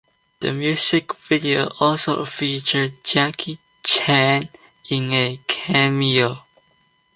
The music video also featured Jackie Chan in a cameo.